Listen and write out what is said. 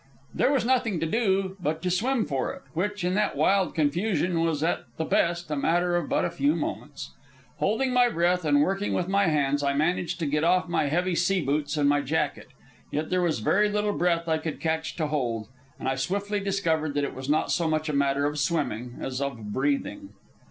There was nothing to do but to swim for it, which, in that wild confusion, was at the best a matter of but a few moments. Holding my breath and working with my hands, I managed to get off my heavy sea boots and my jacket. Yet there was very little breath I could catch to hold, and I swiftly discovered that it was not so much a matter of swimming as of breathing.